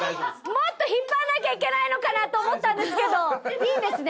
もっと引っ張んなきゃいけないのかなと思ったんですけどいいんですね？